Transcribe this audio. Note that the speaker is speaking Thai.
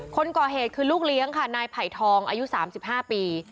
คนก่อเหตุคือลูกเลี้ยงค่ะนายไผ่ทองอายุ๓๕ปี